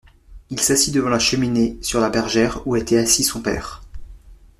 II s'assied devant la cheminée sur la bergère où était assis son père.